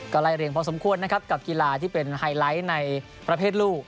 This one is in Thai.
ก็ไล่เรียงพอสมควรนะครับกับกีฬาที่เป็นไฮไลท์ในประเภทลูก